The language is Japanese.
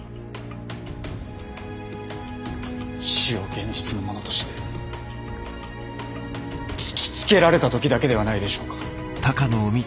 死を現実のものとして突きつけられた時だけではないでしょうか？